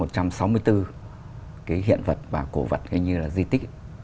cái hiện vật và cổ vật hay như là di tích